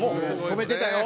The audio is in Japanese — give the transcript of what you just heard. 止めてたよ！